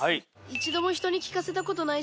「一度も人に聞かせたことないし」